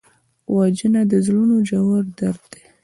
وژنه د زړونو ژور درد دی